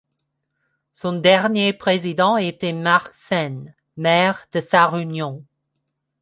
Son dernier président était Marc Sene, maire de Sarre-Union.